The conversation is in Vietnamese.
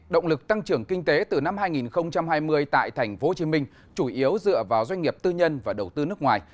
động lực tăng trưởng kinh tế từ năm hai nghìn hai mươi tại tp hcm chủ yếu dựa vào doanh nghiệp tư nhân và đầu tư nước ngoài